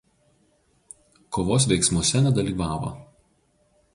Kovos veiksmuose nedalyvavo.